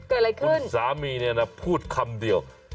เกิดอะไรขึ้นคุณสามีเนี่ยนะพูดคำเดียว